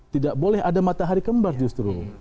tidak boleh ada matahari kembar justru